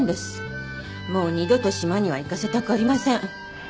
もう二度と島には行かせたくありません。